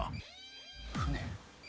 船？